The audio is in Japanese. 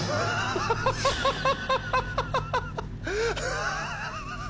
ハハハハハ！